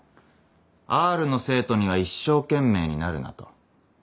Ｒの生徒には一生懸命になるなと。